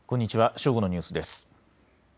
正午のニュースです。